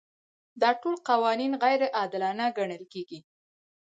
دا ټول قوانین غیر عادلانه ګڼل کیږي.